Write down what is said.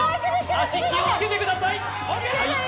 足、気をつけてください！